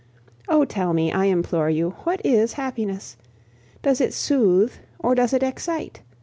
Oh! tell me, I implore you, what is happiness? Does it soothe, or does it excite?